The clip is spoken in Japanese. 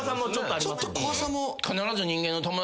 ちょっと怖さも。